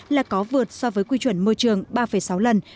là có vượt so với quy chuẩn môi trường ba sáu lần